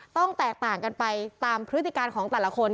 แตกต่างกันไปตามพฤติการของแต่ละคน